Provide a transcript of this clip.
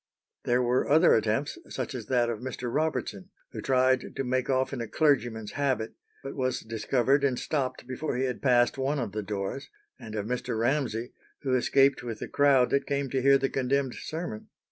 There were other attempts, such as that of Mr. Robertson, who tried to make off in a clergyman's habit, but was discovered and stopped before he had passed one of the doors; and of Mr. Ramsay, who escaped with the crowd that came to hear the condemned sermon.